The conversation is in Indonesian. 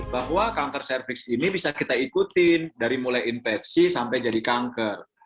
bahwa kanker cervix ini bisa kita ikutin dari mulai infeksi sampai jadi kanker